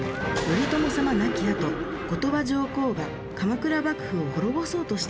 頼朝様亡きあと後鳥羽上皇が鎌倉幕府を滅ぼそうとしたんです。